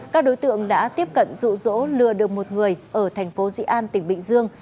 các đối tượng đã tiếp cận rụ rỗ lừa được một người ở tp di an tp bình dương